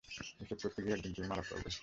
এসব করতে গিয়ে একদিন তুমি মারা পড়বে।